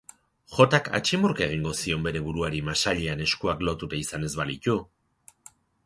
Jotak atximurka egingo zion bere buruari masailean eskuak lotuta izan ez balitu.